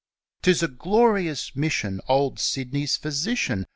'Tis a glorious mission. Old Sydney's Physician